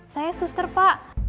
saya suster pak